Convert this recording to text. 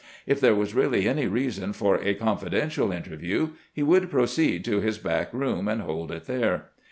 If there was really any reason for a confidential interview, he would proceed to his back room and hold it there.